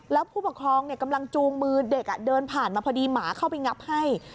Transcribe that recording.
แล้วผู้ปกครองกำลังจูงมือเด็กเดินผ่านมาพอดีหมาเข้าไปงับให้